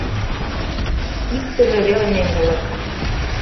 Иктыже веле меҥгылык.